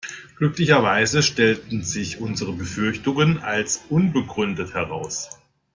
Glücklicherweise stellten sich unsere Befürchtungen als unbegründet heraus.